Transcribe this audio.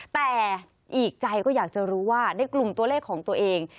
แต่อีกใจก็อยากจะรู้ว่าในกลุ่มตัวเลขของตัวเอง